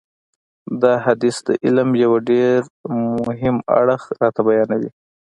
دا حدیث د علم یو ډېر مهم اړخ راته بیانوي.